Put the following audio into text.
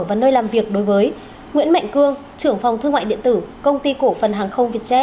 và nơi làm việc đối với nguyễn mạnh cương trưởng phòng thương mại điện tử công ty cổ phần hàng không việt tre